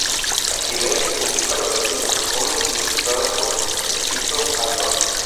Astiberri publica la versión en cómic ilustrada por Tyto Alba.